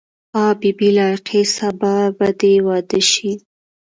آ بي بي لایقې سبا به دې واده شي.